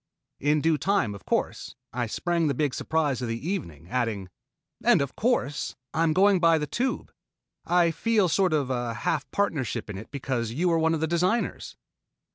In due time, of course, I sprang the big surprise of the evening, adding: "And, of course, I'm going by the Tube, I feel sort of a half partnership in it because you were one of the designers."